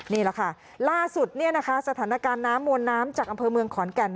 นี่แหละค่ะล่าสุดสถานการณ์น้ำมวลน้ำจากอำเภอเมืองขอนแก่น